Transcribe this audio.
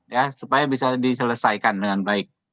ya supaya bisa diselesaikan dengan baik